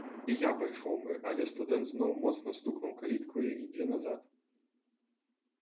І я пайшоў бы, але студэнт зноў моцна стукнуў каліткаю і ідзе назад.